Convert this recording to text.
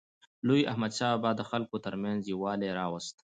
لوی احمدشاه بابا د خلکو ترمنځ یووالی راوست.